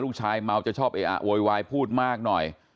ลูกชายเมาจะชอบเอ๋อโวยวายพูดมากหน่อย